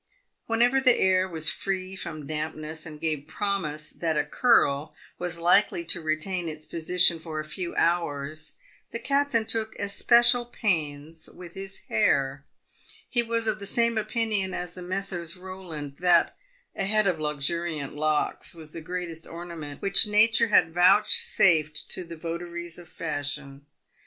"Whenever the air was free from dampness and gave promise that a curl was likely to retain its position for a few hours, the captain took especial pains with his hair. He was of the same opinion as the Messrs. Eowland — that a head of luxuriant locks was the greatest ornament which nature had vouchsafed to the votaries of fashion.